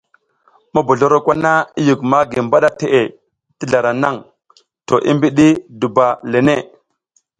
Mobozloro kwana i yuk magi mbaɗa teʼe ti zlara naŋ to i mbiɗi duba le ne.